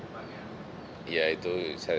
mungkin ada juga dari menteri